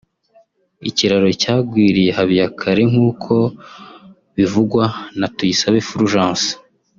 Ikiraro cyagwiriye HabiyakareNk’uko bivugwa na Tuyisabe Fulgence